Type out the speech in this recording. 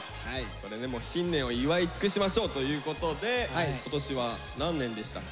新年を祝い尽くしましょうということで今年は何年でしたっけ？